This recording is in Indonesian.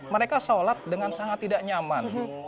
mereka sholat dengan sangat tidak nyaman